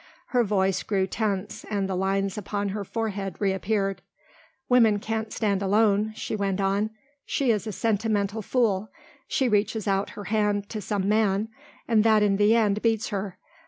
Her voice grew tense and the lines upon her forehead reappeared. "Woman can't stand alone," she went on, "she is a sentimental fool. She reaches out her hand to some man and that in the end beats her.